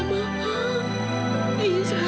gak kak bukan kayak gitu